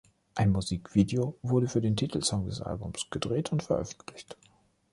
Ein Musikvideo wurde für den Titelsong des Albums gedreht und veröffentlicht.